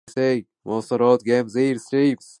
Most road games will stream on the opponents website.